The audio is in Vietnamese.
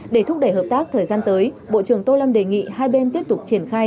để thúc đẩy hợp tác thời gian tới bộ trưởng tô lâm đề nghị hai bên tiếp tục triển khai